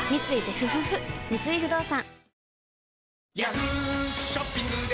三井不動産